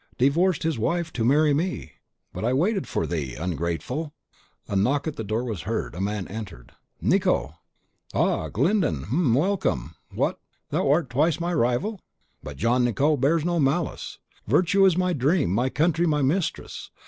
divorced his wife to marry me! But I waited for thee, ungrateful!" A knock at the door was heard, a man entered. "Nicot!" "Ah, Glyndon! hum! welcome! What! thou art twice my rival! But Jean Nicot bears no malice. Virtue is my dream, my country, my mistress.